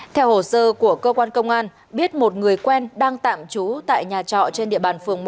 theo hồ sơ của cơ quan công an biết một người quen đang tạm trú tại nhà trọ trên địa bàn phường một